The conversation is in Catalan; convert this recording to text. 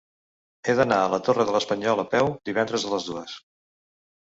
He d'anar a la Torre de l'Espanyol a peu divendres a les dues.